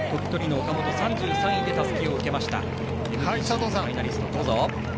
岡本は３３位でたすきを受けました。